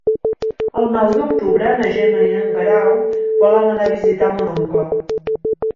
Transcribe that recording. El nou d'octubre na Gemma i en Guerau volen anar a visitar mon oncle.